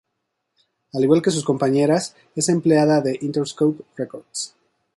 Al igual que sus compañeras, es empleada de Interscope Records.